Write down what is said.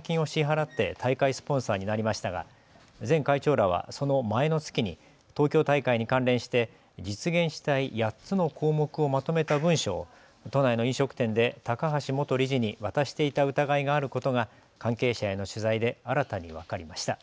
金を支払って大会スポンサーになりましたが前会長らはその前の月に東京大会に関連して実現したい８つの項目をまとめた文書を都内の飲食店で高橋元理事に渡していた疑いがあることが関係者への取材で新たに分かりました。